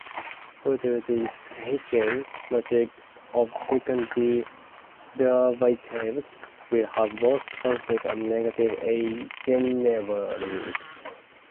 Further the Hessian matrix of second derivatives will have both positive and negative eigenvalues.